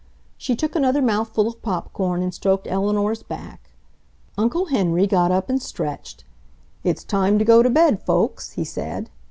She took another mouthful of pop corn and stroked Eleanor's back. Uncle Henry got up and stretched. "It's time to go to bed, folks," he said.